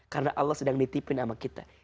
karena allah sedang nitipin sama kita